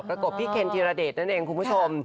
กบพี่เคนธีรเดชนั่นเองคุณผู้ชม